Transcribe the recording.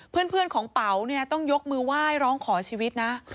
เพื่อนของเป๋าเนี่ยต้องยกมือไหว้ร้องขอชีวิตนะ